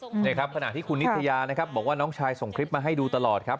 นี่ครับขณะที่คุณนิตยานะครับบอกว่าน้องชายส่งคลิปมาให้ดูตลอดครับ